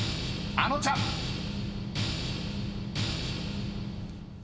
⁉あのちゃま！